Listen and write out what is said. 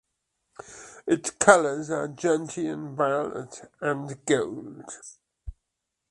Its colors are "gentian violet" and gold.